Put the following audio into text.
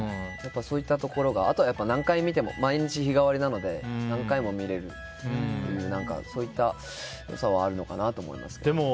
あとは何回見ても毎日、日替わりなので何回も見れるというそういった良さはあるのかなと思います。